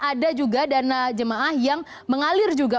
ada juga dana jemaah yang mengalir juga